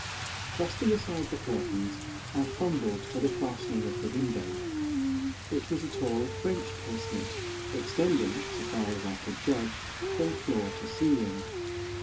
Thrusting aside the curtains, I fumbled for the fastening of the window. It was a tall French casement, extending, so far as I could judge, from floor to ceiling.